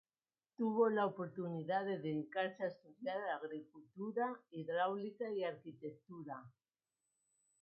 Tuvo la oportunidad de dedicarse a estudiar agricultura, hidráulica y arquitectura.